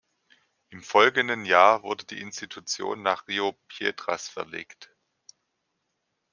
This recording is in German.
Im folgenden Jahr wurde die Institution nach Rio Piedras verlegt.